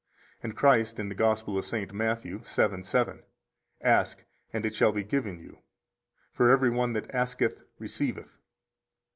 And Christ in the Gospel of St. Matthew 7:7: Ask, and it shall be given you. For every one that asketh receiveth.